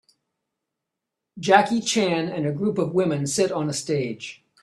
Jackie Chan and a group of women sit on a stage